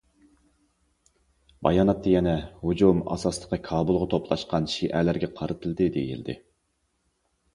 باياناتتا يەنە: ھۇجۇم ئاساسلىقى كابۇلغا توپلاشقان شىئەلەرگە قارىتىلدى، دېيىلدى.